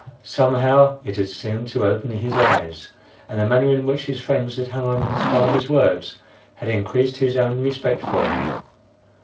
Somehow, it had seemed to open his eyes, and the manner in which his friends had hung on his father's words had increased his own respect for him.